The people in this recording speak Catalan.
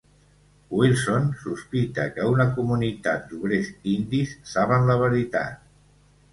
Wilson sospita que una comunitat d'obrers indis saben la veritat.